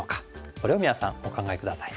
これを皆さんお考え下さい。